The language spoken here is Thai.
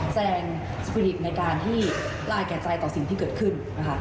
แสดงพลิกในการที่ระอาจแก่ใจต่อสิ่งที่เกิดขึ้น